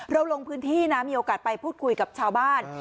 ลงพื้นที่นะมีโอกาสไปพูดคุยกับชาวบ้าน